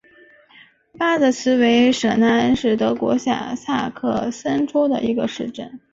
巴德茨维舍纳恩是德国下萨克森州的一个市镇。